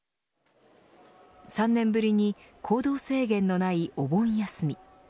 ３年ぶりに行動制限のないお盆休み。